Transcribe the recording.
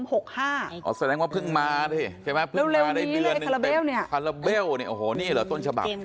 อ๋อเสร็จแรงว่าเพิ่งมาเนี่ยนี่เราเดินผลราเบลนี่เหรอก่อนสุดหนึ่งตอนฉับับ